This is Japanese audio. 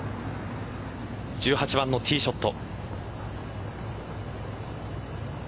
１８番のティーショット。